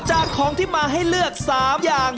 จากของที่มาให้เลือก๓อย่าง